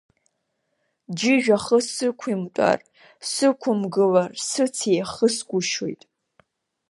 Џьыжә ахы сықәымтәар, сықәымгылар, сыц еихысгәышьоит.